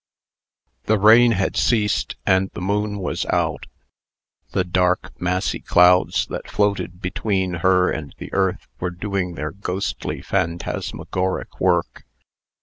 The rain had ceased, and the moon was out. The dark, massy clouds that floated between her and the earth were doing their ghostly, phantasmagoric work.